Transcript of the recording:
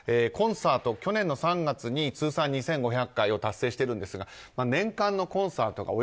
コンサート、去年３月に通算２５００回を達成しているんですが年間のコンサート